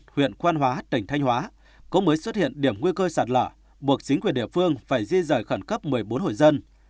huyện quan hóa tỉnh thanh hóa cũng mới xuất hiện điểm nguy cơ sạt lở buộc chính quyền địa phương phải di rời khẩn cấp một mươi bốn hội dân